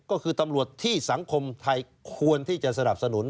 ก็คือตำรวจที่สังคมไทยควรที่จะสนับสนุน